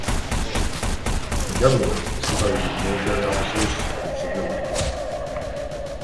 The government is composed of military officers and civilians.